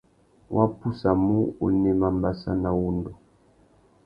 Wá pussamú, unema mbassa na uwundu.